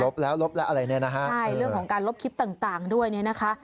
แล้วลบแล้วอะไรเนี่ยนะฮะใช่เรื่องของการลบคลิปต่างต่างด้วยเนี่ยนะคะ